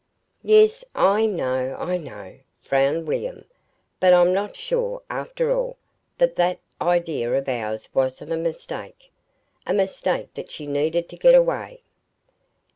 "Yes, I know, I know," frowned William: "but I'm not sure, after all, that that idea of ours wasn't a mistake, a mistake that she needed to get away."